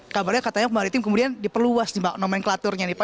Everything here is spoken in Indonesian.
kabarnya katanya pembali tim kemudian diperluas nih pak nomenklaturnya nih pak